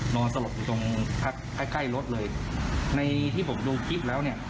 นอนสลบอยู่ตรงใกล้รถเลยในที่ผมดูคลิปแล้วเนี่ย